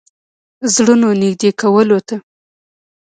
زړونو نېږدې کولو ته.